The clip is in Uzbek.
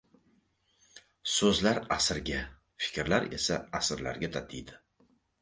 So‘zlar — asrga, fikrlar esa asrlarga tatiydi.